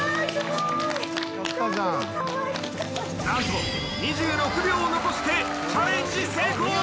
何と２６秒残してチャレンジ成功。